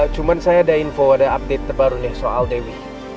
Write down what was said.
cuma saya ada info ada update terbaru nih soal dewi